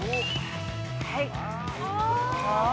はい。